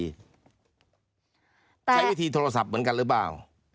ใช้วิธีโทรศัพท์เหมือนกันหรือเปล่า